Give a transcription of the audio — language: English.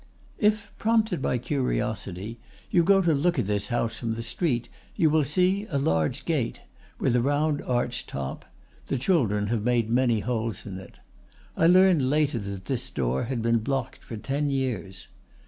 "If, prompted by curiosity, you go to look at this house from the street, you will see a large gate, with a round arched top; the children have made many holes in it. I learned later that this door had been blocked for ten years.